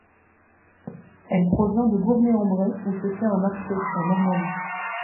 Elle provient de Gournay-en-Bray, où se tient un marché, en Normandie.